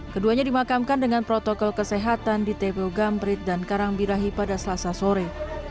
keduanya dimakamkan dengan protokol kesehatan di tpu gamprit dan karangbirahi pada selasa sore